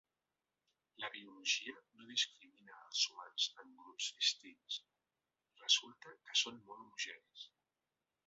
La biologia no discrimina els humans en grups distints, resulta que som molt homogenis.